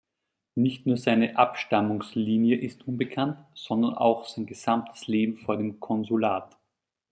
Nicht nur seine Abstammungslinie ist unbekannt, sondern auch sein gesamtes Leben vor dem Konsulat.